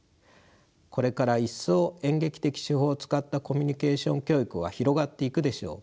これからいっそう演劇的手法を使ったコミュニケーション教育は広がっていくでしょう。